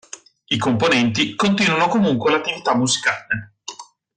I componenti continuano comunque l'attività musicale.